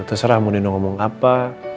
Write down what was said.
terserah mau neno ngomong apa